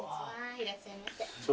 いらっしゃいませ。